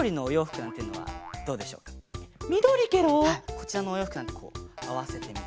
こちらのおようふくなんてこうあわせてみて。